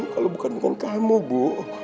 kalau bukan kamu bu